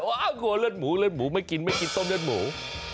กลัวเลือดหมูเลือดหมูไม่กินไม่กินต้มเลือดหมู